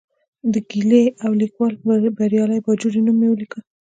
د ګیلې او لیکوال بریالي باجوړي نوم مې ولیکه.